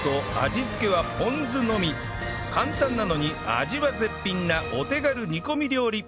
簡単なのに味は絶品なお手軽煮込み料理